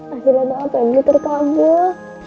akhirnya bapak ibu terkabur